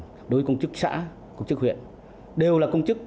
đối với công chức xã công chức huyện đều là công chức